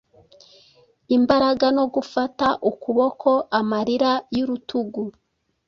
imbaraga no gufata ukuboko amarira yurutugu